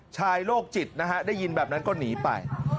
ชายโรคจิตได้ยินแบบนั้นก็หนีไป